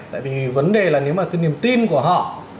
tại vì vấn đề là nếu mà cái niềm tin của họ